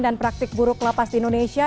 praktik buruk lapas di indonesia